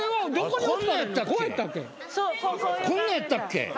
こんなんやったっけ？